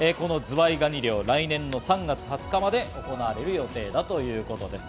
このズワイガニ漁、来年３月２０日まで行われる予定だということです。